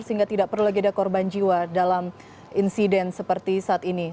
sehingga tidak perlu lagi ada korban jiwa dalam insiden seperti saat ini